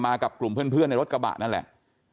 กับกลุ่มเพื่อนในรถกระบะนั่นแหละ